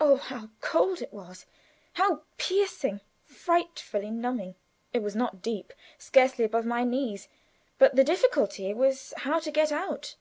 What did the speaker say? Oh, how cold it was! how piercing, frightful, numbing! It was not deep scarcely above my knees, but the difficulty was how to get out.